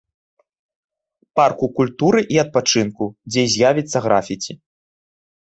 Парку культуры і адпачынку, дзе і з'явіцца графіці.